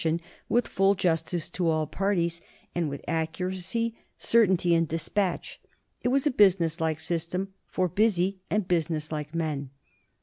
io8 NORMANS IN EUROPEAN HISTORY with full justice to all parties, and with accuracy, cer tainty, and dispatch. It was a businesslike system for busy and businesslike men.